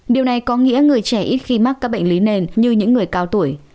điều này có nghĩa người trẻ ít khi mắc các bệnh lý nền như những người cao tuổi